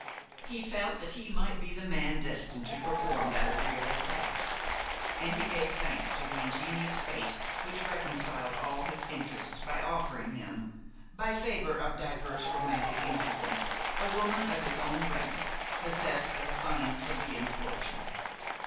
He felt that he might be the man destined to perform that agreeable task, and he gave thanks to the ingenious fate which reconciled all his interests by offering him, by favor of divers romantic incidents, a woman of his own rank possessed of a fine plebian fortune.